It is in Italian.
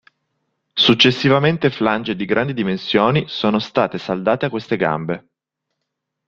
Successivamente flange di grandi dimensioni sono state saldate a queste “gambe”.